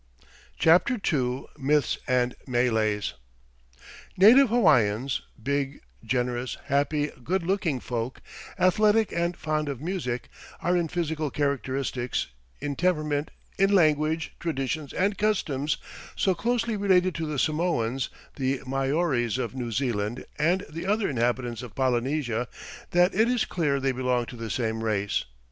CHAPTER II MYTHS AND MELES Native Hawaiians big, generous, happy, good looking folk, athletic and fond of music are in physical characteristics, in temperament, in language, traditions and customs, so closely related to the Samoans, the Maoris of New Zealand, and the other inhabitants of Polynesia, that it is clear they belong to the same race.